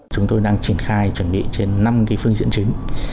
chúng tôi đang triển khai chuẩn bị trên năm cái phương diện chứng